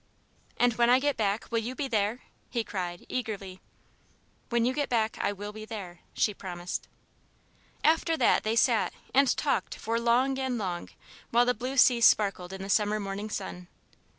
"And when I get back, will you be there?" he cried, eagerly. "When you get back I will be there," she promised. After that they sat and talked for long and long, while the blue sea sparkled in the summer morning sun.